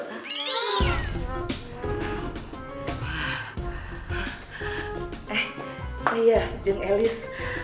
eh saya jeng elis